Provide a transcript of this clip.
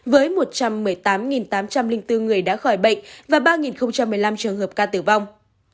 với một trăm một mươi tám tám trăm linh bốn người đã khỏi bệnh và ba một mươi năm trường hợp ca tử vong